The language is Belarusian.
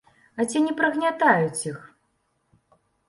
А ці не прыгнятаюць іх?